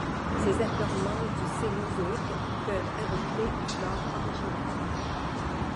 Ces affleurements du cénozoïques peuvent abriter une flore originale.